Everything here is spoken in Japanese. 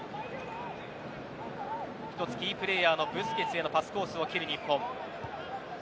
キープレーヤーのブスケツへのパスを切る日本。